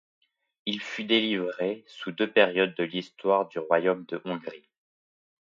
Il fut délivré sous deux périodes de l'histoire du royaume de Hongrie.